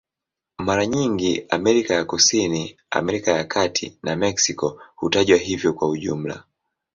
Mara nyingi Amerika ya Kusini, Amerika ya Kati na Meksiko hutajwa hivyo kwa jumla.